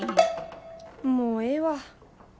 もうええわ。